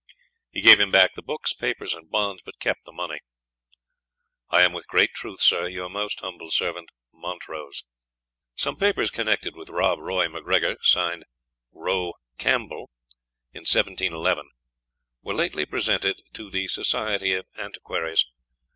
He gave him back the books, papers, and bonds, but kept the money. "I am, with great truth, Sir, "your most humble servant, "MONTROSE." [Some papers connected with Rob Roy Macgregor, signed "Ro. Campbell," in 1711, were lately presented to the Society of Antiquaries.